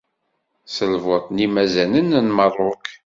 S lvuṭ n yimazanen n Merruk.